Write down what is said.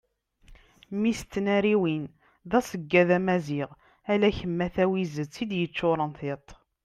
mmi-s n tnariwin d aseggad amaziɣ ala kem a tawizet i d-yeččuren tiṭ